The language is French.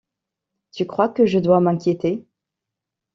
Tu crois que je dois m'inquiéter.